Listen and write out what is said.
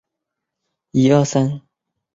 大且重的球形花朵会垂在枝头。